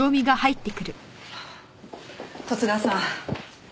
十津川さん。